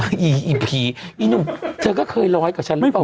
อุ๊ยไอ้ผีไอ้หนุ่มเธอก็เคยล้อยกับฉันหรือเปล่า